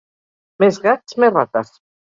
Més gats, més rates.